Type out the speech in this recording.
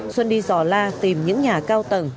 xuân đi dò la tìm những nhà cao tầng